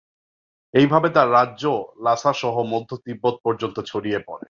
এইভাবে তাঁর রাজ্য লাসা সহ মধ্য তিব্বত পর্যন্ত ছড়িয়ে পড়ে।